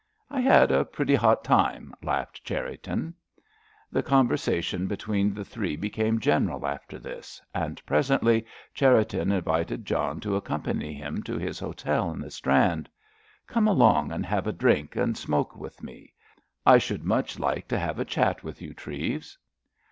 "I had a pretty hot time," laughed Cherriton. The conversation between the three became general after this, and presently Cherriton invited John to accompany him to his hotel in the Strand. "Come along and have a drink and a smoke with me. I should much like to have a chat with you, Treves."